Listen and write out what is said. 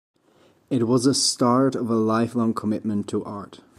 It was a start of a lifelong commitment to art.